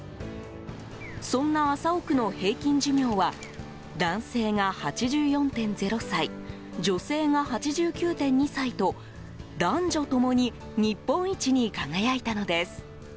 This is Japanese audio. そんな麻生区の平均寿命は男性が８４．０歳女性が８９．２歳と男女共に日本一に輝いたのです。